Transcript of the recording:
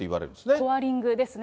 コアリングですね。